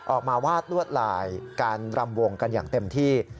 วาดลวดลายการรำวงกันอย่างเต็มที่